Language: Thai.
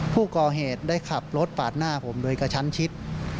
ผู้ก่อเหตุได้ขับรถปาดหน้าผมโดยกระชั้นชิด